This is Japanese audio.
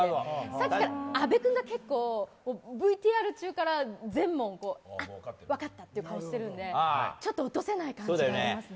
さっきから阿部君が結構、ＶＴＲ中から全問、あ、分かった！って顔してるのでちょっと落とせない感じはありますね。